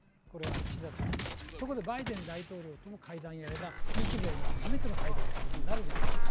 岸田さんのバイデン大統領との会談をやれば日米の初めての会談となります。